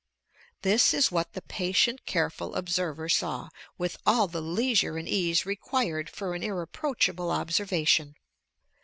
This is what the patient, careful observer saw, with all the "leisure and ease required for an irreproachable observation."